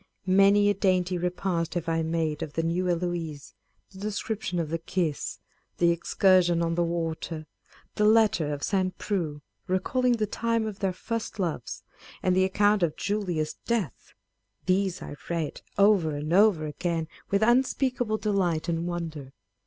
Many a dainty repast have I made of the New Eloise ; â€" the description of the kiss ; the ex cursion on the water ; the letter of St. Preux, recalling the time of their first loves; and the account of Julia's death ; these I read over and over again with unspeak able delight and wonder.